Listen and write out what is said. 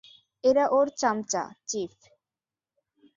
এরা ওর চামচা, চীফ।